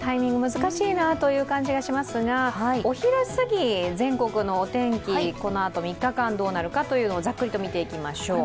難しいなという感じがしますがお昼すぎ、全国のお天気、このあと３日間どうなるのか、ざっくりと見ていきましょう。